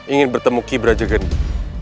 ingin bertemu ki braja geni